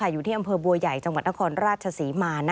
อยู่ที่อำเภอบัวใหญ่จังหวัดนครราชศรีมา